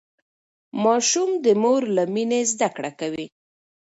ماشوم د مور له مينې زده کړه کوي.